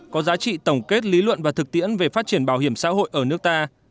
có giá trị tổng kết lý luận và thực tiễn về phát triển bảo hiểm xã hội ở nước ta